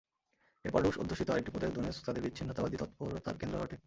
এরপর রুশ-অধ্যুষিত আরেকটি প্রদেশ দোনেৎস্ক তাদের বিচ্ছিন্নতাবাদী তৎপরতার কেন্দ্র হয়ে ওঠে।